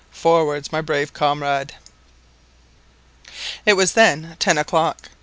"Forwards, my brave comrade!" It was then ten o'clock.